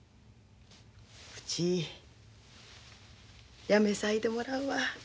うちやめさいてもらうわ。